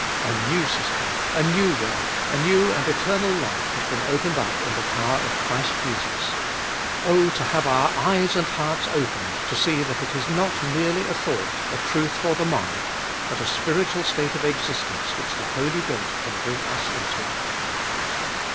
A new system, a new way, a new and eternal life has been opened up in the power of Christ Jesus. Oh to have our eyes and hearts opened to see that is not merely a thought, a truth for the mind, but a spiritual state of existence which the Holy Ghost can bring us into.